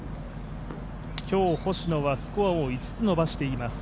今日、星野はスコアを５つ伸ばしています。